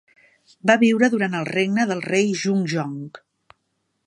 Va viure durant el regne del rei Jungjong.